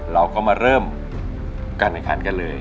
เราก็มาเริ่มการอาหารกันเลย